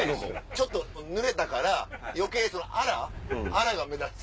ちょっとぬれたから余計あらが目立つ。